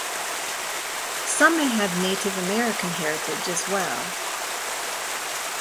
Some may have Native American heritage as well.